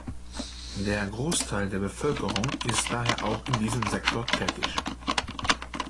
Der Großteil der Bevölkerung ist daher auch in diesem Sektor tätig.